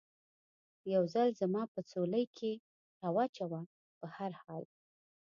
یو ځل زما په ځولۍ کې را و چوه، په هر حال.